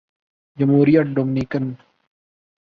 جمہوریہ ڈومینیکن